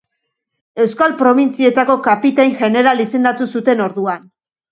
Euskal probintzietako kapitain jeneral izendatu zuten orduan.